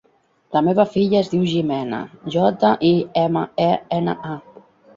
La meva filla es diu Jimena: jota, i, ema, e, ena, a.